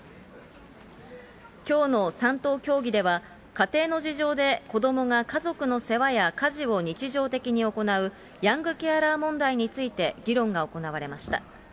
きょうの３党協議では、家庭の事情で子どもが家族の世話や家事を日常的に行うヤングケアラー問題について議論が行われました。